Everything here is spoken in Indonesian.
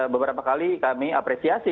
beberapa kali kami apresiasi